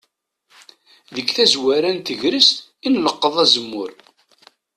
Deg tazwara n tegrest i nleqqeḍ azemmur.